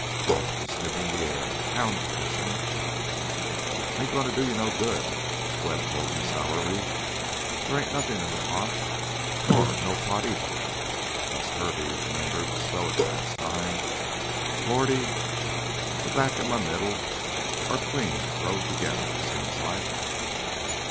Croff was sniffing the air, hound fashion. "Ain't gonna do you no good," Webb told him sourly. "Theah ain't nothin' in the pot, nor no pot neither 'less Kirby 'membered to stow it last time. Lordy, m' back an' m' middle are clean growed together, seems like."